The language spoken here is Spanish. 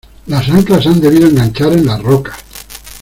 las anclas se han debido enganchar en las rocas.